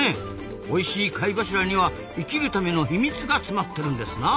おいしい貝柱には生きるための秘密が詰まってるんですな。